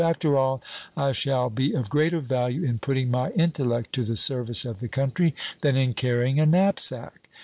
After all, I shall be of greater value in putting my intellect to the service of the country than in carrying a knapsack.'